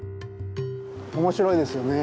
面白いですよね。